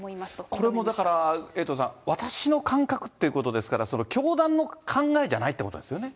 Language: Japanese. これもだから、エイトさん、私の感覚っていうことですから、教団の考えじゃないってことですよね。